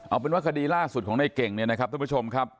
เอาเป็นว่าคดีล่าสุดของในเก่งเนี่ยนะครับทุกผู้ชมครับ